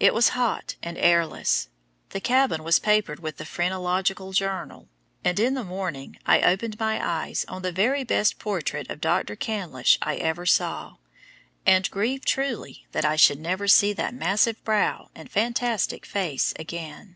It was hot and airless. The cabin was papered with the Phrenological Journal, and in the morning I opened my eyes on the very best portrait of Dr. Candlish I ever saw, and grieved truly that I should never see that massive brow and fantastic face again.